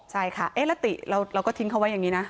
ใช่ค่ะแล้วติเราก็ทิ้งเขาไว้อย่างนี้นะ